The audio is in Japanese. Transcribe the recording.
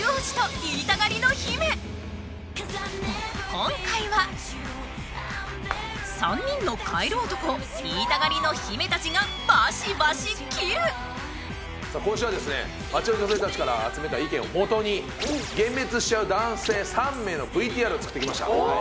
今回は３人のカエル男言いたがりの姫たちがバシバシ斬るさあ今週は街の女性たちから集めた意見をもとに幻滅しちゃう男性３名のＶＴＲを作ってきました